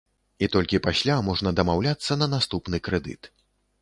І толькі пасля можна дамаўляцца на наступны крэдыт.